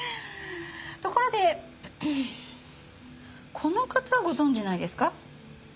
ところでこの方ご存じないですか？